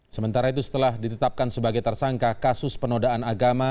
sementara itu setelah ditetapkan sebagai tersangka kasus penodaan agama